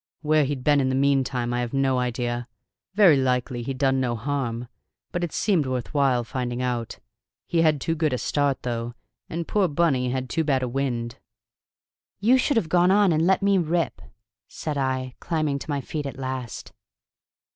Where he'd been in the meantime I have no idea; very likely he'd done no harm; but it seemed worth while finding out. He had too good a start, though, and poor Bunny had too bad a wind." "You should have gone on and let me rip," said I, climbing to my feet at last.